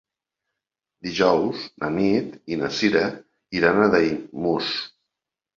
Dijous na Nit i na Sira iran a Daimús.